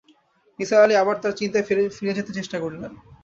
নিসার আলি আবার তাঁর চিন্তায় ফিরে যেতে চেষ্টা করলেন।